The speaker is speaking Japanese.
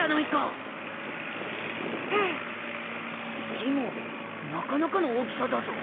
でもなかなかの大きさだぞ。